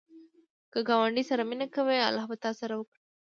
که ګاونډي سره مینه کوې، الله به تا سره وکړي